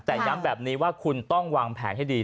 แต่ย้ำแบบนี้ว่าคุณต้องวางแผนให้ดี